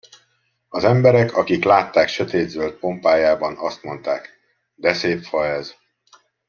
Az emberek, akik látták sötétzöld pompájában, azt mondták: De szép fa ez!